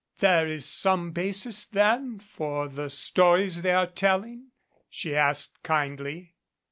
"There is some basis then for the stories they are tell ing?" she asked kindly.